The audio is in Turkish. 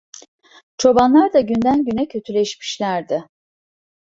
Çobanlar da günden güne kötüleşmişlerdi.